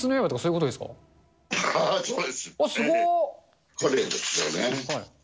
これですよね。